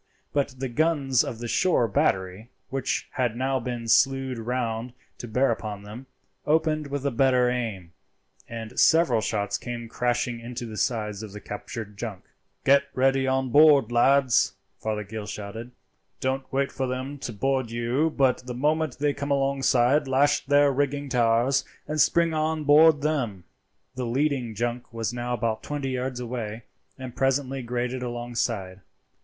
But the guns of the shore battery, which had now been slewed round to bear upon them, opened with a better aim, and several shots came crashing into the sides of the captured junk. "Get ready to board, lads!" Fothergill shouted. "Don't wait for them to board you, but the moment they come alongside lash their rigging to ours and spring on board them." The leading junk was now about twenty yards away, and presently grated alongside.